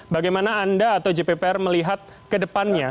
bagaimana anda atau jppr melihat ke depannya